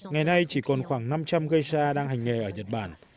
ngày nay chỉ còn khoảng năm trăm linh geisha đang hành nghề ở nhật bản